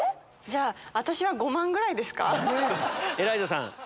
私は５万ぐらいですか？